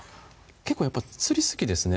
結構やっぱ釣り好きですね